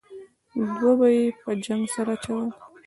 دوه به یې په جنګ سره اچول.